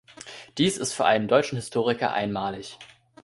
Dies ist für einen deutschen Historiker einmalig.